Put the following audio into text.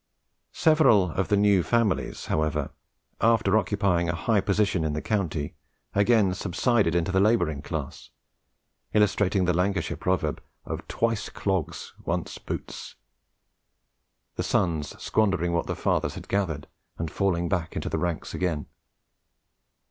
Several of the new families, however, after occupying a high position in the county, again subsided into the labouring class, illustrating the Lancashire proverb of "Twice clogs, once boots," the sons squandering what the father's had gathered, and falling back into the ranks again.